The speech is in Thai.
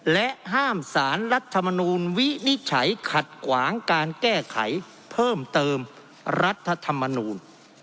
และห้ามสารรัฐมนูลวินิจฉัยขัดขวางการแก้ไขเพิ่มเติมรัฐธรรมนูล